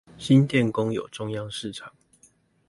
新店公有中央市場